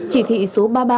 chỉ thị số ba mươi ba